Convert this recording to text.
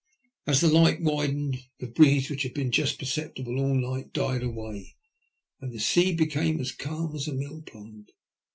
As the light widened, the breeze, which had been just perceptible all night, died away, and the sea became as calm as a mill pond.